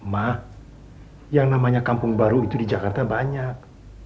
mak yang namanya kampung baru itu di jakarta banyak